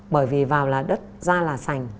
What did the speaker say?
bởi vì vào là đất ra là sành